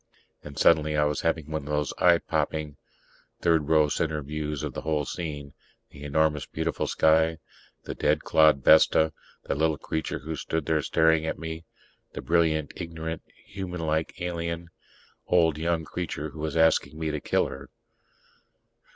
And suddenly I was having one of those eye popping third row center views of the whole scene: the enormous, beautiful sky; the dead clod, Vesta; the little creature who stood there staring at me the brilliant ignorant, humanlike alien, old young creature who was asking me to kill her.